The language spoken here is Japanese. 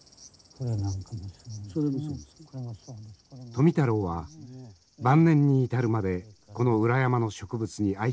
富太郎は晩年に至るまでこの裏山の植物に愛着を持ち続けました。